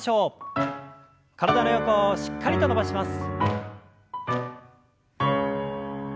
体の横をしっかりと伸ばします。